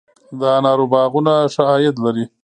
د انارو باغونه ښه عاید لري؟